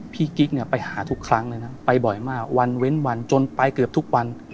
กิ๊กเนี่ยไปหาทุกครั้งเลยนะไปบ่อยมากวันเว้นวันจนไปเกือบทุกวัน